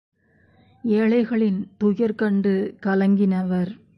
ஏழைகளின் துயர் கண்டு கலங்கினவர்.